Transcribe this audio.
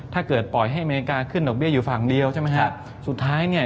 ถ้าเกิดปล่อยให้อเมริกาขึ้นดอกเบี้ยอยู่ฝั่งเดียวใช่ไหมฮะสุดท้ายเนี่ย